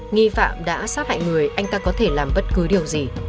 nghi phạm đã sát hại người anh ta có thể làm bất cứ điều gì